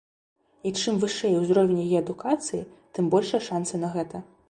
І чым вышэй узровень яе адукацыі, тым большыя шанцы на гэта.